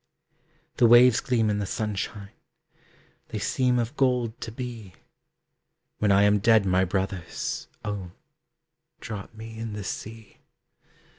The waves gleam in the sunshine, They seem of gold to be. When I am dead, my brothers, Oh drop me in the sea.